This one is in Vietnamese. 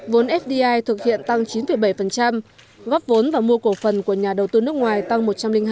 vốn fdi thực hiện tăng chín bảy góp vốn và mua cổ phần của nhà đầu tư nước ngoài tăng một trăm linh hai